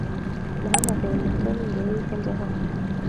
Nahamagaye Mutoni mbere yuko nza hano.